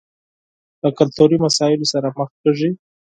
له کلتوري مسايلو سره مخ کېږي.